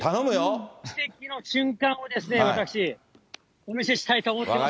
奇跡の瞬間を私、お見せしたいと思っております